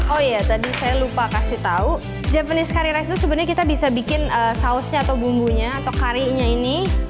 oh iya tadi saya lupa kasih tahu japanese curry rice itu sebenarnya kita bisa bikin sausnya atau bumbunya atau karinya ini